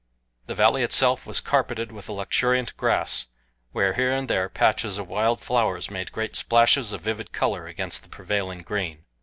The valley itself was carpeted with a luxuriant grass, while here and there patches of wild flowers made great splashes of vivid color against the prevailing green.